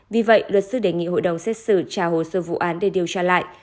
vì vậy luật sư đề nghị hội đồng xét xử trả hồ sơ vụ án để điều tra lại